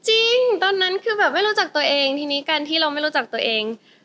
จริงตอนนั้นไม่รู้จักตัวเองถ้าการที่เราไม่รู้จักตัวเอง